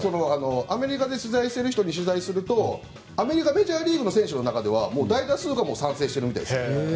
アメリカで取材しているとメジャーリーグの選手の中では大多数が賛成しているみたいです。